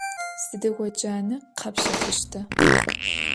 Sıdiğo cane khepşefışta?